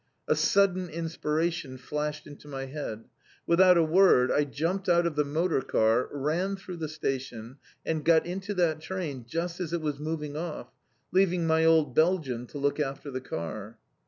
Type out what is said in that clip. A sudden inspiration flashed into my head. Without a word I jumped out of the motor car, ran through the station, and got into that train just as it was moving off, leaving my old Belgian to look after the car.